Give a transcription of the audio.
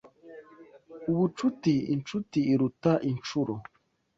Ubucuti Inshuti iruta inshuro